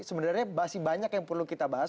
sebenarnya masih banyak yang perlu kita bahas